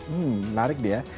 hmm menarik dia